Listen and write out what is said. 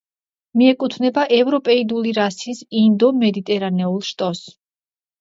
მიეკუთვნება ევროპეიდული რასის ინდო-მედიტერანეულ შტოს.